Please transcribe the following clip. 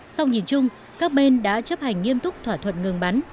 sau nhìn chung các bên đã chấp hành nghiêm túc thỏa thuận ngừng bắn